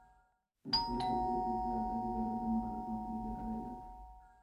এক্ষণে সমগ্র পৃথিবী আধ্যাত্মিকতার জন্য ভারতভূমির দিকে তাকাইয়া আছে।